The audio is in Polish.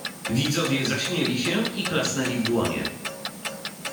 "Widzowie zaśmieli się i klasnęli w dłonie."